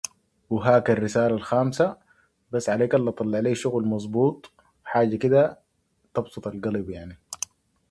Slater was asked to run the company for a few years to stabilize it.